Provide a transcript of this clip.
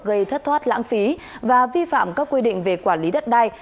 gây thất thoát lãng phí và vi phạm các quy định về quản lý đất đai